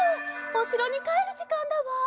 おしろにかえるじかんだわ。